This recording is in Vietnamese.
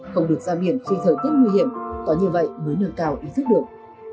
không được ra biển khi thời tiết nguy hiểm có như vậy mới nâng cao ý thức được